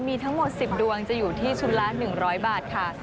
มีทั้งหมด๑๐ดวงจะอยู่ที่ชุดละ๑๐๐บาทค่ะ